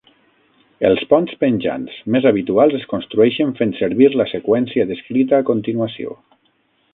Els ponts penjants més habituals es construeixen fent servir la seqüència descrita a continuació.